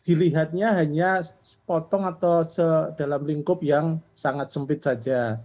dilihatnya hanya sepotong atau dalam lingkup yang sangat sempit saja